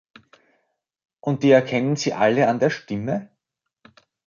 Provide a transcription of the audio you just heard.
Und die erkennen Sie alle an der Stimme?